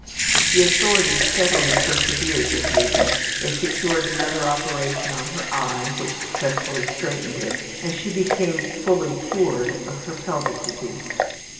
The authorities steadily persevered with Hazel. They secured another operation on her eye, which successfully straightened it, and she became fully ``cured'' of her pelvic disease.